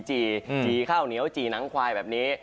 จี่ข้าวเหนียวจี่หนังควายแบบนี้